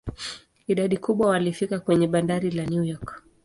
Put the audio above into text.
Idadi kubwa walifika kwenye bandari la New York.